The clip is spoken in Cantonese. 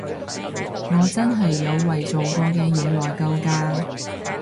我真係有為做過嘅嘢內疚㗎